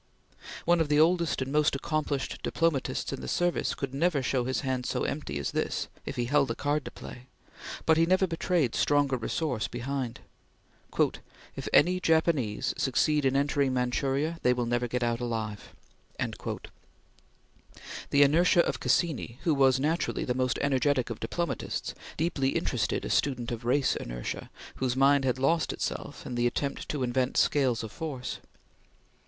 One of the oldest and most accomplished diplomatists in the service could never show his hand so empty as this if he held a card to play; but he never betrayed stronger resource behind. "If any Japanese succeed in entering Manchuria, they will never get out of it alive." The inertia of Cassini, who was naturally the most energetic of diplomatists, deeply interested a student of race inertia, whose mind had lost itself in the attempt to invent scales of force.